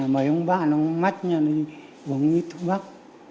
mấy ông bạn mắt uống ít thuốc bắp